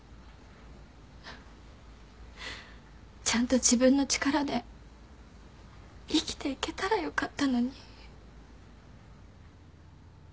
ちゃんと自分の力で生きていけたらよかったのに